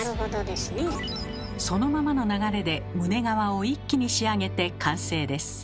そのままの流れで胸側を一気に仕上げて完成です。